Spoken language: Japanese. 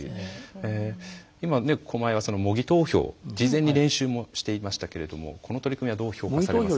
今狛江は模擬投票事前に練習もしていましたけれどもこの取り組みはどう評価されますか。